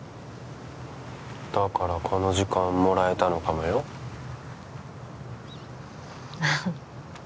だからこの時間もらえたのかもよああ